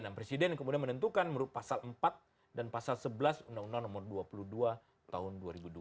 dan presiden kemudian menentukan pasal empat dan pasal sebelas undang undang nomor dua puluh dua tahun dua ribu dua